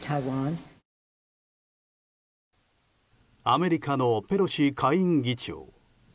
アメリカのペロシ下院議長。